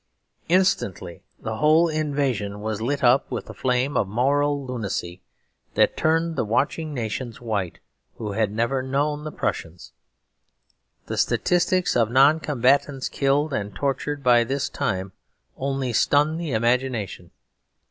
Instantly the whole invasion was lit up with a flame of moral lunacy, that turned the watching nations white who had never known the Prussian. The statistics of non combatants killed and tortured by this time only stun the imagination.